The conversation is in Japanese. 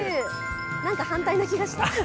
何か反対な気がした。